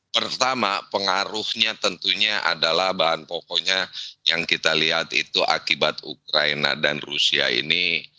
pertama pengaruhnya tentunya adalah bahan pokoknya yang kita lihat itu akibat ukraina dan rusia ini